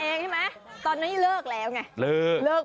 เออมันหลุดออกมาแค่นี้ใช่ไหม